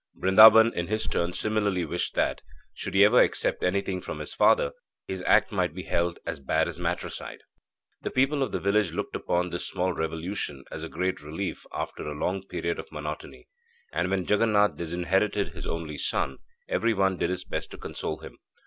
Brindaban in his turn similarly wished that, should he ever accept anything from his father, his act might be held as bad as matricide. The people of the village looked upon this small revolution as a great relief after a long period of monotony. And when Jaganath disinherited his only son, every one did his best to console him.